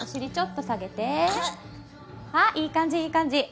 あっいい感じいい感じ。